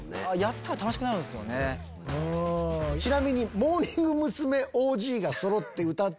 ちなみに。